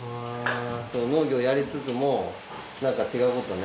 農業やりつつもなんか違うことをね